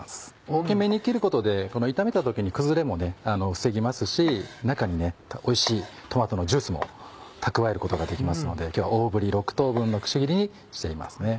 大きめに切ることで炒めた時に崩れも防ぎますし中においしいトマトのジュースも蓄えることができますので今日は大ぶり６等分のくし切りにしています。